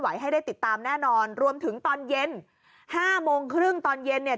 ให้ได้ติดตามแน่นอนรวมถึงตอนเย็นห้าโมงครึ่งตอนเย็นเนี่ย